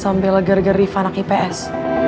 atau riva anak ips